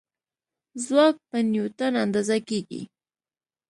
ځواک په نیوټن اندازه کېږي.